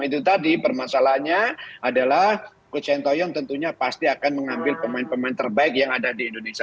itu tadi permasalahannya adalah coach sintayong tentunya pasti akan mengambil pemain pemain terbaik yang ada di indonesia